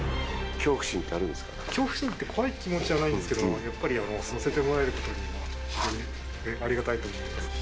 恐怖心って、怖いっていう気持ちはないんですけど、やっぱり乗せてもらえることがありがたいと思います。